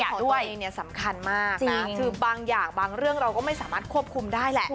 ด้วยเนี่ยสำคัญมากคือบางอย่างบางเรื่องเราก็ไม่สามารถควบคุมได้แหละ